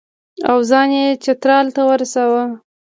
او ځان یې چترال ته ورساوه.